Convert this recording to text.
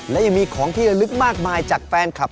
และยังมีของที่ระลึกมากมายจากแฟนคลับ